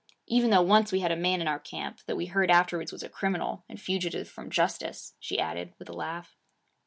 Even though once we had a man in our camp that we heard afterwards was a criminal and fugitive from justice,' she added with a laugh.